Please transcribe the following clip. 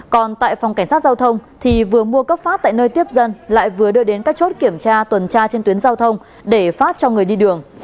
còn tại phòng cảnh sát giao thông thì vừa mua cấp phát tại nơi tiếp dân lại vừa đưa đến các chốt kiểm tra tuần tra trên tuyến giao thông để phát cho người đi đường